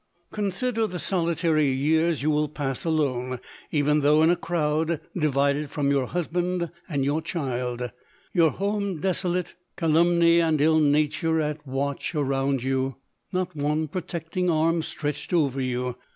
" Consider the solitary years you will pass alone, even though in a crowd, divided from your husband and your child — your home de solate—calumny and ill nature at watch around von — nut one protecting arm stretched over you.